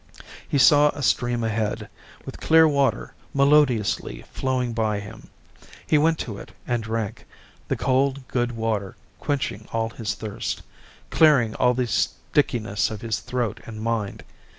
He saw a stream ahead, with clear water melodiously flowing by him. He went to it and drank, the cold, good water quenching all his thirst, clearing all the stickiness of his throat and mind.